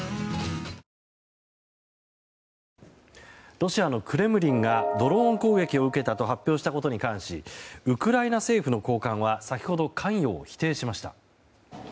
ロシアのクレムリンがドローン攻撃を受けたと発表したことに関しウクライナ政府の高官は先ほど、関与を否定しました。